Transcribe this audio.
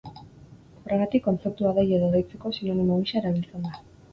Horregatik, kontzeptua dei edo deitzeko sinonimo gisa erabiltzen da.